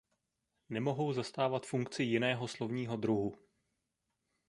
Nemohou zastávat funkci jiného slovního druhu.